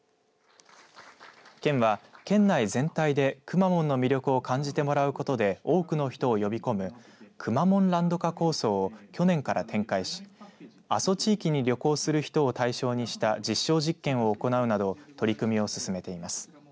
県は、県内全体でくまモンの魅力を感じてもらうことで多くの人を呼び込むくまモンランド化構想を去年から展開し阿蘇地域に旅行する人を対象にした実証実験を行うなど取り組みを進めています。